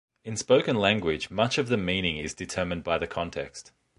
In spoken language, much of the meaning is determined by the context.